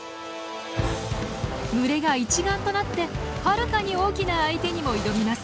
群れが一丸となってはるかに大きな相手にも挑みます。